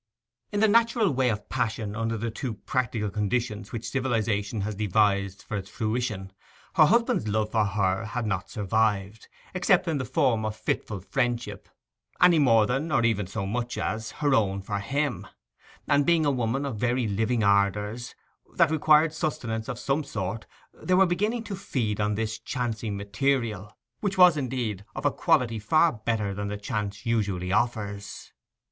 In the natural way of passion under the too practical conditions which civilization has devised for its fruition, her husband's love for her had not survived, except in the form of fitful friendship, any more than, or even so much as, her own for him; and, being a woman of very living ardours, that required sustenance of some sort, they were beginning to feed on this chancing material, which was, indeed, of a quality far better than chance usually offers.